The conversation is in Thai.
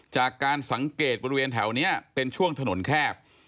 จากการสังเกตบริเวณแถวนี้เป็นช่วงถนนแคบ